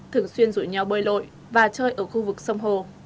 thường xuyên rủ nhau bơi lội và chơi ở khu vực sông hồ